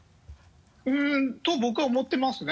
うんと僕は思ってますね。